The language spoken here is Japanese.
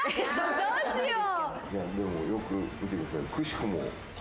どうしよう？